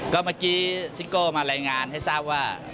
ก็เมื่อกี้ซิโก้มารายงานให้ทราบว่า